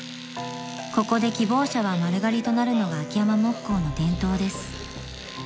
［ここで希望者は丸刈りとなるのが秋山木工の伝統です］